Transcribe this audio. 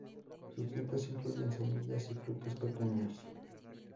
Sus dietas incluyen semillas y frutos pequeños.